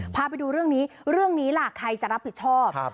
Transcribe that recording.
พาไปดูเรื่องนี้เรื่องนี้ล่ะใครจะรับผิดชอบ